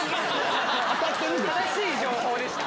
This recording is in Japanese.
正しい情報でした。